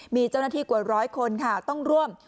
มีเจ้าหน้าที่กว่าร้อยคนค่ะต้องร่วม